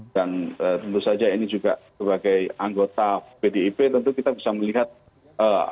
dan tentu saja ini juga sebagai anggota bdip tentu kita bisa melihat kenapa hal ini bisa terjadi